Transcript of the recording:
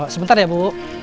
sebentar ya bu